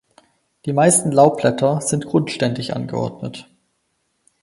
Die meisten Laubblätter sind grundständig angeordnet.